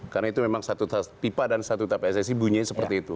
karena itu memang satu pipa dan satu tab pssi bunyinya seperti itu